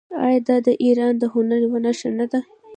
آیا دا د ایران د هنر یوه نښه نه ده؟